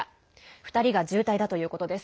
２人が重体だということです。